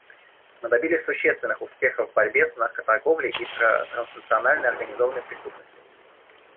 Мы добились существенных успехов в борьбе с наркоторговлей и транснациональной организованной преступностью.